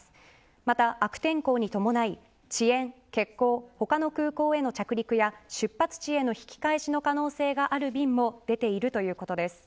また、悪天候に伴い遅延、欠航、他の空港への着陸や出発地への引き返しの可能性がある便も出ているということです。